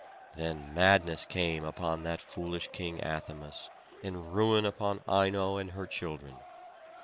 Then madness came upon that foolish king Athamas, and ruin upon Ino and her children.